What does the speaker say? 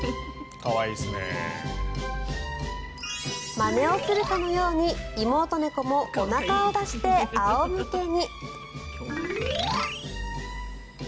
まねをするかのように妹猫もおなかを出して仰向けに。